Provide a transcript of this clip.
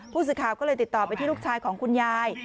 ผู้สื่อข่าวก็เลยติดต่อไปที่ลูกชายของคุณยาย